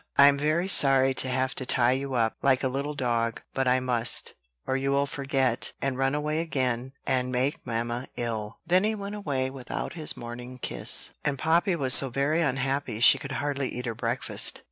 "I'm very sorry to have to tie you up, like a little dog; but I must, or you will forget, and run away again, and make mamma ill." Then he went away without his morning kiss, and Poppy was so very unhappy she could hardly eat her breakfast.